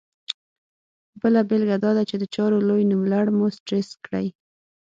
بله بېلګه دا ده چې د چارو لوی نوملړ مو سټرس کړي.